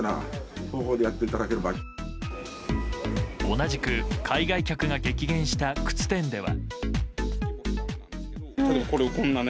同じく海外客が激減した靴店では。